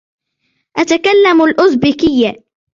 أتكلم الأوزبكية.